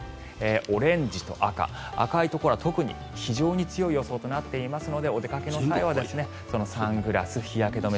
オレンジと赤赤いところは特に非常に強い予想となっていますのでお出かけの際はサングラス、日焼け止め